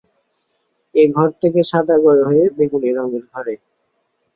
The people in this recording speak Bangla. এ ঘর থেকে সাদা ঘর হয়ে বেগুনি রঙের ঘরে।